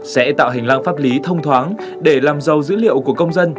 sẽ tạo hình lãng pháp lý thông thoáng để làm giàu dữ liệu của công dân